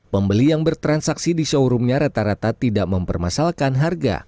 pembeli yang bertransaksi di showroomnya rata rata tidak mempermasalahkan harga